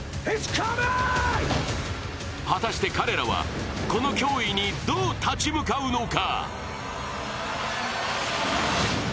果たして彼らはこの脅威にどう立ち向かうのか。